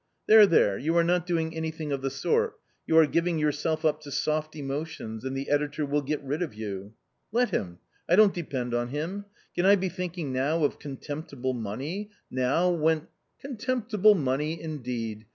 " There, there, you are not doing anything of the sort, you are giving yourself up to * soft emotions,' and the editor will get rid of you." " Let him ! I don't depend on him. Can I be thinking now of contemptible money — now, when " A COMMON STORY 73 " Contemptible money, indeed